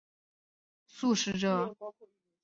而一些选择不吃肉类的人则被称为素食者。